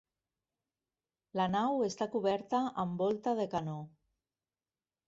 La nau està coberta amb volta de canó.